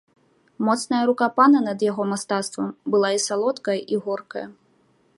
Моцная рука пана над яго мастацтвам была і салодкая і горкая.